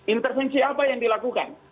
intervensi apa yang dilakukan